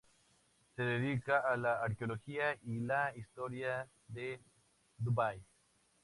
Se dedica a la arqueología y la historia de Dubái.